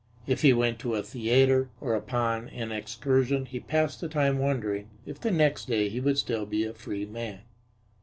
If he went to a theatre or upon an excursion he passed the time wondering if the next day he would still be a free man.